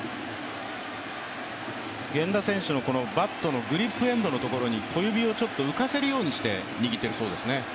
源田選手のバットのグリップエンドのところに小指をちょっと浮かせるようにして握っているようですね。